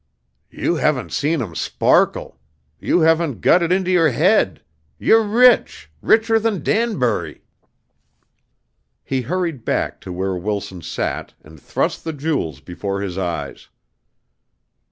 "You haven't seen 'em sparkle you haven't gut it inter yer head! Ye're rich richer than Danbury!" He hurried back to where Wilson sat and thrust the jewels before his eyes.